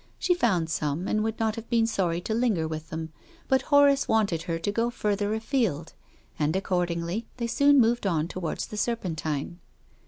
She found some, and would not have been sorry to linger with them. But Horace wanted her to go further afield, and accordingly they soon moved on towards the Serpentine.